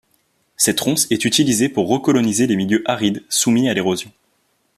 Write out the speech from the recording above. Cette ronce est utilisée pour recoloniser les milieux arides soumis à l'érosion.